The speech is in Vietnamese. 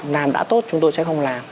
làm đã tốt chúng tôi sẽ không làm